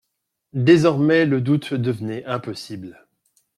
Désormais le doute devenait impossible.